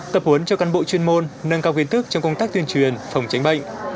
tập huấn cho cán bộ chuyên môn nâng cao viên thức trong công tác tuyên truyền phòng tránh bệnh